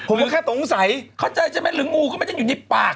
อ่ะผม่ว่าแค่ตรงใสเข้าใจใช่ไหมหรืองูก็ไม่ได้อยู่ในปาก